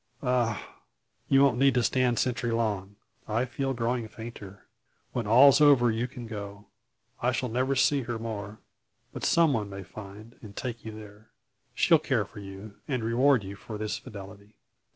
Ah! You won't need to stand sentry long. I feel growing fainter. When all's over you can go. I shall never see her more; but some one may find, and take you there. She'll care for, and reward you for this fidelity."